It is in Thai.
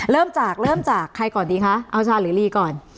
เริ่มจากเริ่มจากใครก่อนดีคะอาจารย์หรือลีก่อน